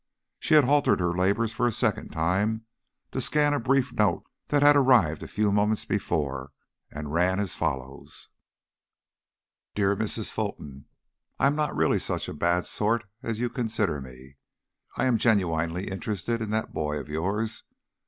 She had halted her labors for a second time to scan a brief note that had arrived a few moments before and ran as follows: DEAR MRS. FULTON, I am not really such a bad sort as you consider me, and I'm genuinely interested in that boy of yours.